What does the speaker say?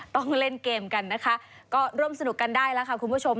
ต้องเล่นเกมกันนะคะก็ร่วมสนุกกันได้แล้วค่ะคุณผู้ชม